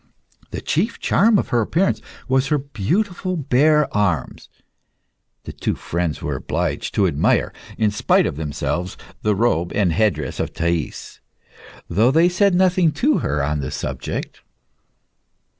The chief charm of her appearance was her beautiful bare arms. The two friends were obliged to admire, in spite of themselves the robe and head dress of Thais, though they said nothing to her on the subject.